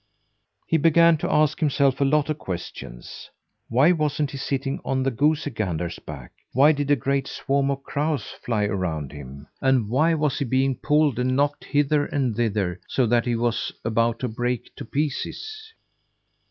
He began to ask himself a lot of questions. Why wasn't he sitting on the goosey gander's back? Why did a great swarm of crows fly around him? And why was he being pulled and knocked hither and thither so that he was about to break to pieces?